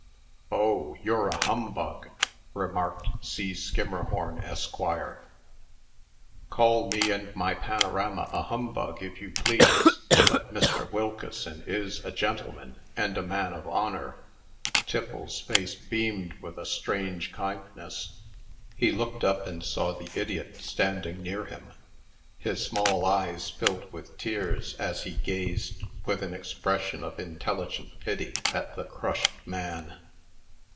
"Oh! you're a humbug," remarked C. Skimmerhorn, Esq. "Call me and my panorama a humbug, if you please; but Mr. Wilkeson is a gentleman and a man of honor." Tiffles's face beamed with a strange kindness. He looked up, and saw the idiot standing near him. His small eyes filled with tears as he gazed with an expression of intelligent pity at the crushed man.